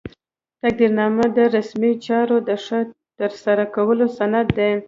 تقدیرنامه د رسمي چارو د ښه ترسره کولو سند دی.